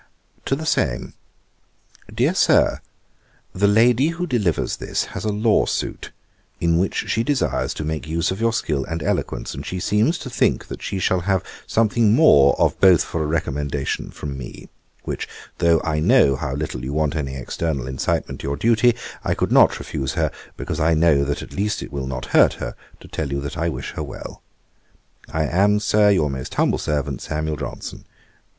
To The Same. 'DEAR SIR, 'The lady who delivers this has a lawsuit, in which she desires to make use of your skill and eloquence, and she seems to think that she shall have something more of both for a recommendation from me; which, though I know how little you want any external incitement to your duty, I could not refuse her, because I know that at least it will not hurt her, to tell you that I wish her well. 'I am, Sir, 'Your most humble servant, 'SAM. JOHNSON.'